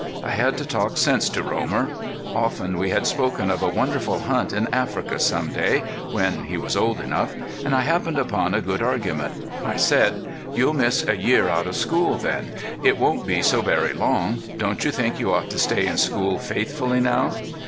I had to talk sense to Romer. Often we had spoken of a wonderful hunt in Africa some day, when he was old enough; and I happened upon a good argument. I said: "You'll miss a year out of school then. It won't be so very long. Don't you think you ought to stay in school faithfully now?"